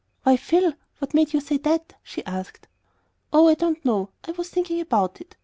"Why, Phil, what made you say that?" she asked. "Oh, I don't know. I was thinking about it.